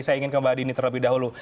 saya ingin ke mbak dini terlebih dahulu